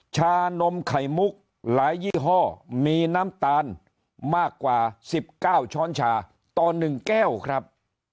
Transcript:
ชานมไข่มุกหลายยี่ห้อมีน้ำตาลมากกว่า๑๙ช้อนชาต่อ๑แก้วครับ